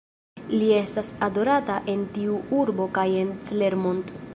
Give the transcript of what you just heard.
Li estas adorata en tiu urbo kaj en Clermont.